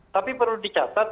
tapi perlu dicatat